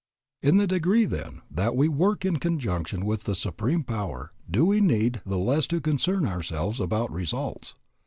In the degree, then, that we work in conjunction with the Supreme Power do we need the less to concern ourselves about results.